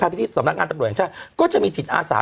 ที่สำนักงานตำรวจแห่งชาติก็จะมีจิตอาสา